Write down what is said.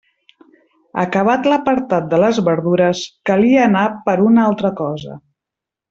Acabat l'apartat de les verdures calia anar per una altra cosa.